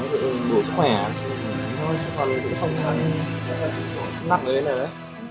nói thật là đủ sức khỏe nó sẽ còn không làm nặng đến nơi này đấy